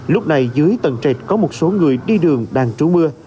lúc này dưới tầng trệt có một số người đi đường đang trú mưa